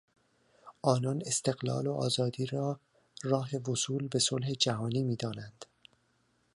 آنان استقلال و آزادی را راه وصول به صلح جهانی میدانند.